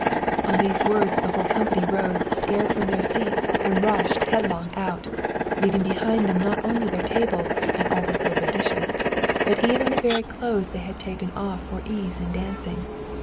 On these words the whole company rose scared from their seats, and rushed headlong out, leaving behind them not only their tables, and all the silver dishes, but even the very clothes they had taken off for ease in dancing.